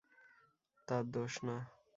তার দোষ না!